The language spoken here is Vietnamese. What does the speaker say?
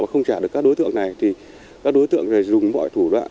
mà không trả được các đối tượng này thì các đối tượng này dùng mọi thủ đoạn